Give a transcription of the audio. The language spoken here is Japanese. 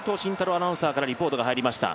アナウンサーからリポートが入りました。